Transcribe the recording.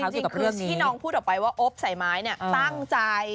จริงคือที่น้องพูดออกไปว่าโอ๊บใส่ไม้ตั้งใจ